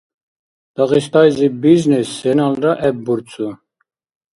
Дагъистайзиб бизнес сеналра гӏеббурцу…